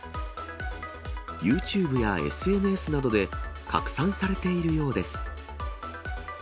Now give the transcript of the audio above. ユーチューブやＳＮＳなどで、拡散されているようです。